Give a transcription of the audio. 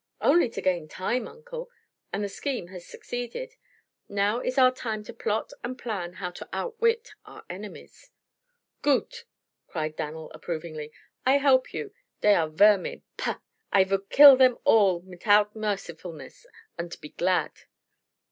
"Only to gain time, Uncle. And the scheme has succeeded. Now is our time to plot and plan how to outwit our enemies." "Goot!" cried Dan'l approvingly. "I help you. Dey are vermin pah! I vould kill dem all mitout mercifulness, unt be glad!"